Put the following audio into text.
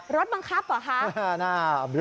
รถบังคับเหรอคะ